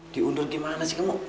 diundur gimana sih kamu